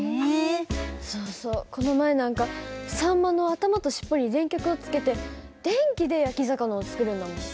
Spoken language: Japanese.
そうそうこの前なんかサンマの頭と尻尾に電極をつけて電気で焼き魚を作るんだもん。